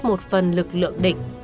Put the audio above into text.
một phần lực lượng đỉnh